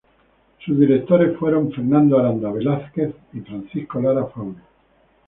Sus directores fueron: Fernando Aranda Velásquez y Francisco Lara Faure.